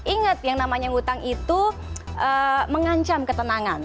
ingat yang namanya hutang itu mengancam ketenangan